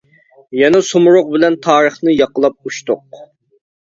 يەنە سۇمۇرغ بىلەن تارىخنى ياقىلاپ ئۇچتۇق.